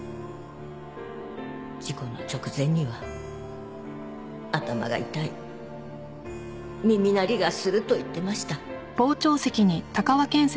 事故の直前には頭が痛い耳鳴りがすると言ってました。